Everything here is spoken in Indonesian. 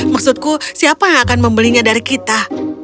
maksudku siapa yang akan membelinya dari kita